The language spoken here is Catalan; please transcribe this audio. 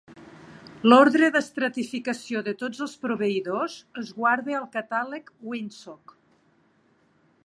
L'ordre d'estratificació de tots els proveïdors es guarda al Catàleg Winsock.